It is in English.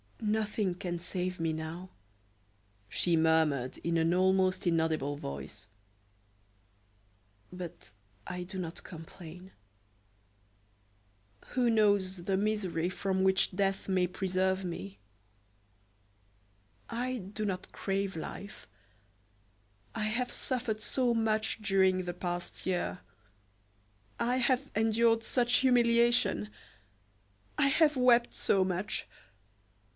"Nothing can save me now," she murmured, in an almost inaudible voice; "but I do not complain. Who knows the misery from which death may preserve me? I do not crave life; I have suffered so much during the past year; I have endured such humiliation; I have wept so much!